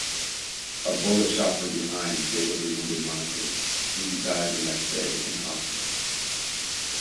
A bullet shot from behind fatally wounded Männikus and he died the next day in hospital.